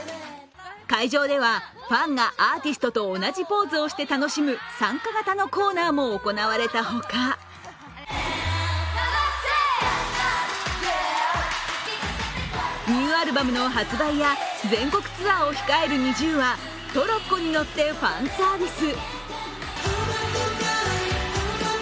会場ではファンがアーティストと同じポーズをして楽しむ参加型のコーナーも行われたほかニューアルバムの発売や全国ツアーを控えるＮｉｚｉＵはトロッコに乗ってファンサービス。